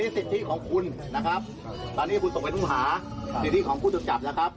ที่นี่สิทธิของคุณนะครับตอนนี้ผู้ตกไปต้มผาสิทธิของผู้จัดไกรหะครับ